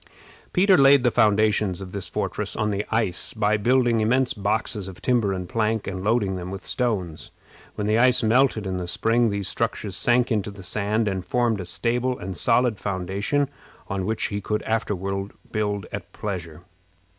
Peter laid the foundations of this fortress on the ice by building immense boxes of timber and plank, and loading them with stones. When the ice melted in the spring these structures sank into the sand, and formed a stable and solid foundation on which he could afterward build at pleasure.